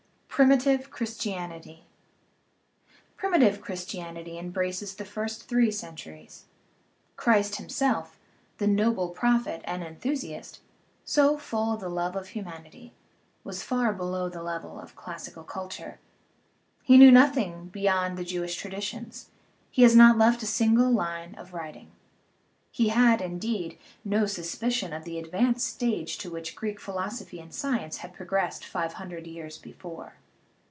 PRIMITIVE CHRISTIANITY Primitive Christianity embraces the first three cen turies. Christ himself, the noble prophet and enthu siast, so full of the love of humanity, was far below the level of classical culture; he knew nothing beyond the Jewish traditions; he has not left a single line of writing. He had, indeed, no suspicion of the advanced stage to which Greek philosophy and science had pro gressed five hundred years before.